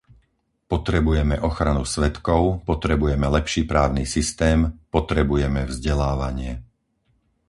Potrebujeme ochranu svedkov, potrebujeme lepší právny systém, potrebujeme vzdelávanie.